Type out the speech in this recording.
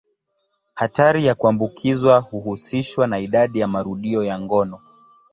Hatari ya kuambukizwa huhusishwa na idadi ya marudio ya ngono.